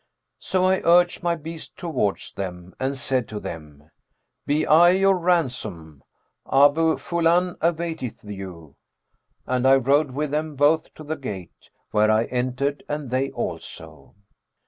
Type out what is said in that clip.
So I urged my beast towards them and said to them, 'Be I your ransom! Abu Fulбn[FN#409] awaiteth you!'; and I rode with them both to the gate, where I entered and they also.